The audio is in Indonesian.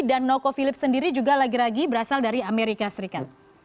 dan knokko philips sendiri juga lagi lagi berasal dari amerika serikat